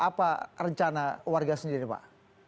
apa rencana warga sendiri pak